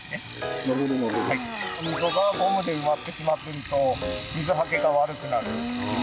溝がゴムで埋まってしまってると水はけが悪くなる。